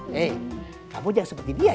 hei kamu jangan seperti dia